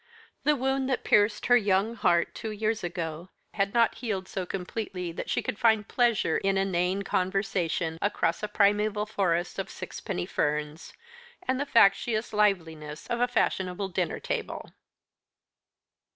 The wound that pierced her young heart two years ago had not healed so completely that she could find pleasure in inane conversation across a primeval forest of sixpenny ferns, and the factitious liveliness of a fashionable dinner table.